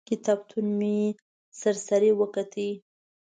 کتابتون مې سر سري وکت.